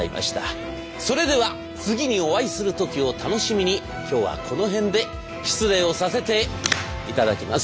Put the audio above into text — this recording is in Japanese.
それでは次にお会いする時を楽しみに今日はこの辺で失礼をさせていただきます。